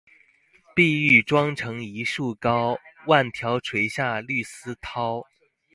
碧玉妆成一树高，万条垂下绿丝绦